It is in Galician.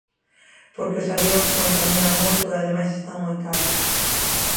Porque os avións contaminan moito e ademais están moi caros.